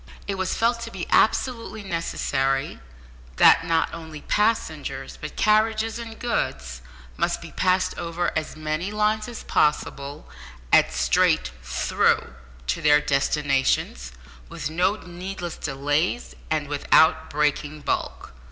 It was felt to be absolutely necessary that not only passengers, but carriages and goods, must be passed over as many lines as possible, at straight "through" to their destinations, with no needless delays, and without "breaking bulk."